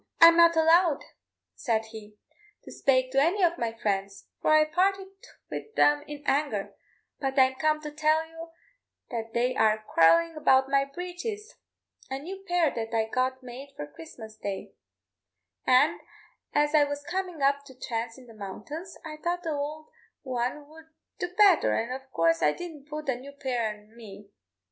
"I'm not allowed," said he, "to spake to any of my friends, for I parted wid them in anger; but I'm come to tell you that they are quarrelin' about my breeches a new pair that I got made for Christmas day; an' as I was comin' up to thrace in the mountains, I thought the ould one 'ud do betther, an' of coorse I didn't put the new pair an me.